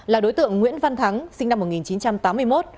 là đối tượng nguyễn văn thắng sinh năm một nghìn chín trăm tám mươi một